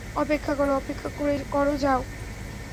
অপেক্ষা করো, অপেক্ষা করো, যাও!